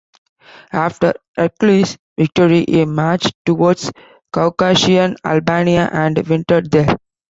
After Heraclius' victory, he marched towards Caucasian Albania and wintered there.